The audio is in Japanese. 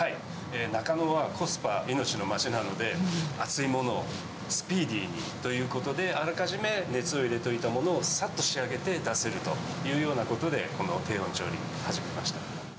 中野はコスパ命の街なので、熱いものをスピーディーにということで、あらかじめ熱を入れておいたものをさっと仕上げて出せるというようなことで、この低温調理、始めました。